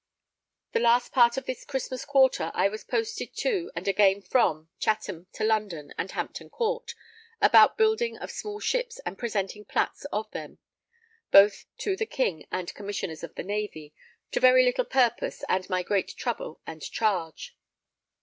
The last part of this Christmas quarter, I was posted to and again from Chatham to London and Hampton Court, about building of small ships and presenting plats of them, both to the King and Commissioners of the Navy, to very little purpose and my great trouble and charge.